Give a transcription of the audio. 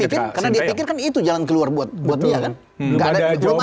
karena dia pikir itu jalan keluar buat dia kan